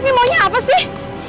ini maunya apa sih